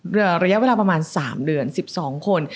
ระยะเวลาประมาณ๓เดือน๑๒คน